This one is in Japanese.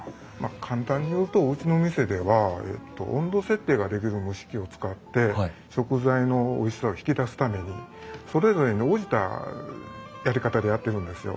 簡単に言うとうちの店では温度設定ができる蒸し器を使って食材のおいしさを引き出すためにそれぞれに応じたやり方でやってるんですよ。